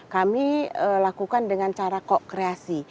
kami lakukan dengan cara kok kreasi